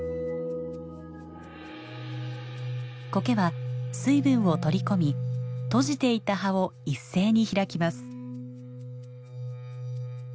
コケは水分を取り込み閉じていた葉を一斉に開きます。